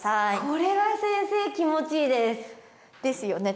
これは先生気持ちいいですですよね